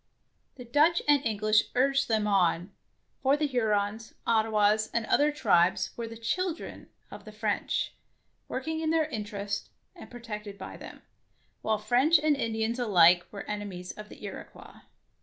The Dutch and English urged them on, for the Hurons, Ottawas, and other tribes were the "children'' of the French, working in their interests and protected by them, while French and Indians alike were enemies of the Iroquois.